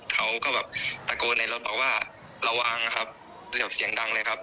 เขาก็แบบตะโกนในรถบอกว่าระวังนะครับเกือบเสียงดังเลยครับ